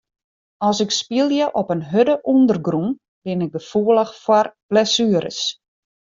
As ik spylje op in hurde ûndergrûn bin ik gefoelich foar blessueres.